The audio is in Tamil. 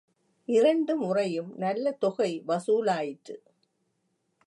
இரண்டு முறையும் நல்ல தொகை வசூலாயிற்று.